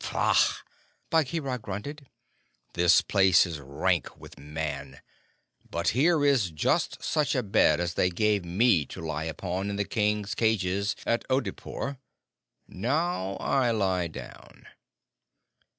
"Pah!" Bagheera grunted. "This place is rank with Man, but here is just such a bed as they gave me to lie upon in the King's cages at Oodeypore. Now I lie down."